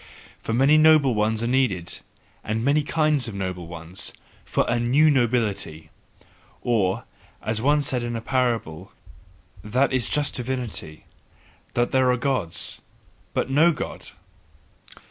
For many noble ones are needed, and many kinds of noble ones, FOR A NEW NOBILITY! Or, as I once said in parable: "That is just divinity, that there are Gods, but no God!"